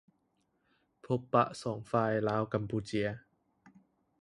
ພົບປະສອງຝ່າຍ ລາວກຳປູເຈຍ